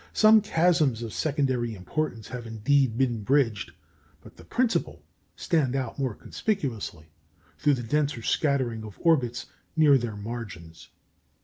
Some chasms of secondary importance have indeed been bridged; but the principal stand out more conspicuously through the denser scattering of orbits near their margins.